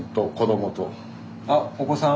あお子さん？